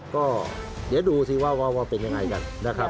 ก็เดี๋ยวดูสิว่าเป็นยังไงกันนะครับ